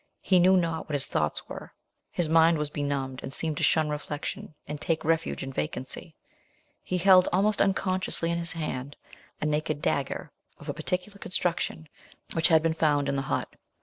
He knew not what his thoughts were his mind was benumbed and seemed to shun reflection, and take refuge in vacancy he held almost unconsciously in his hand a naked dagger of a particular construction, which had been found in the hut.